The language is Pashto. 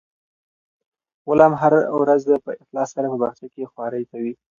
غلام هره ورځ په اخلاص سره په باغچه کې خوارۍ کوي.